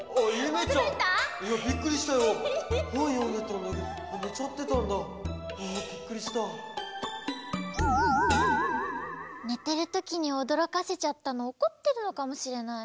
ねてるときにおどろかせちゃったのおこってるのかもしれない。